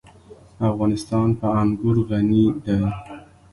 افغانستان په انګور غني دی.